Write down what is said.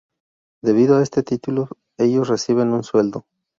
Debido este título, ellos reciben un sueldo.